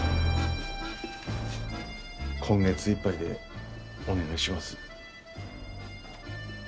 今月いっぱいでお願いします。